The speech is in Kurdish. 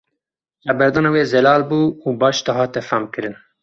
Xeberdana wî zelal bû û baş dihate famkirin.